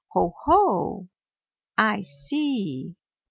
"Ho, ho! I see.